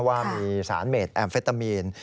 ว่ามีสารเมดแอมเฟตามีน